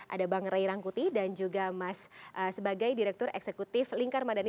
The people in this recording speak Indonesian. ada bang ray rangkuti dan juga mas sebagai direktur eksekutif lingkar madani